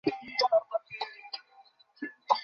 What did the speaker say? ঠিক আছে, চাচা।